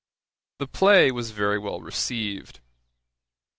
The play was very well received.